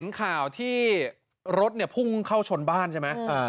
เห็นข่าวที่รถเนี่ยพุ่งเข้าชนบ้านใช่ไหมอ่า